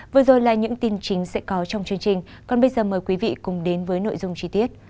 vừa rồi là những tin chính sẽ có trong chương trình còn bây giờ mời quý vị cùng đến với nội dung chi tiết